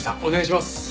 お願いします。